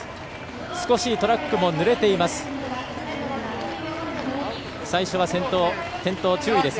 少しトラックもぬれています。